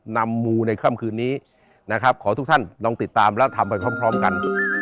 นำมูในความคืนนี้ขอทุกท่านลองติดตามและทำไปพร้อมกัน